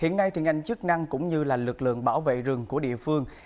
ngành chức năng cũng như lực lượng bảo vệ rừng của địa phương